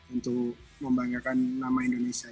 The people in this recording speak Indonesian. untuk membanggakan nama indonesia